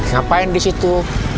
ngapain di situ